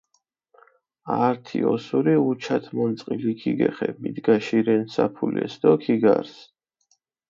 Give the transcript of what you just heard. ართი ოსური უჩათ მონწყილი ქიგეხე მიდგაშირენ საფულეს დო ქიგარს.